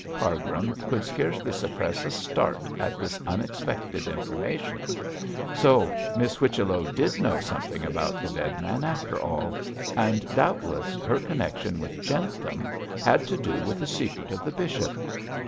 Cargrim could scarcely suppress a start at this unexpected information. So Miss Whichello did know something about the dead man after all; and doubtless her connection with Jentham had to do with the secret of the bishop.